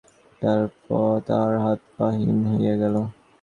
তাহার হাত-পা হিম হইয়া গেল।